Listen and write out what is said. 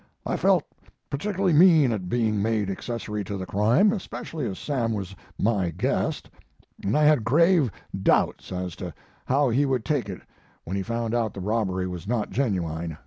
I felt particularly mean at being made accessory to the crime, especially as Sam was my guest, and I had grave doubts as to how he would take it when he found out the robbery was not genuine.